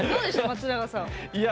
松永さん。